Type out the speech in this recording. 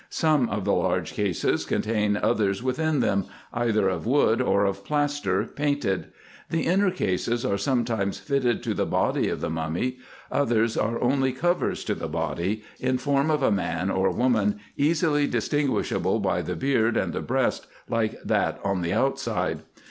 Some of the large cases contain others within them, either of wood or of plaster, painted. The inner cases are sometimes fitted to the body of the mummy : others are only covers to the body, in form of a man or woman, easily z 170 RESEARCHES AND OPERATIONS distinguishable by the beard and the breast, like that on the out side.